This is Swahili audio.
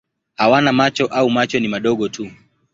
Hawana macho au macho ni madogo tu.